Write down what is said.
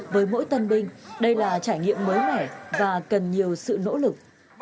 với mỗi tân binh đây là trải nghiệm mới mẻ và cần nhiều sự nỗ lực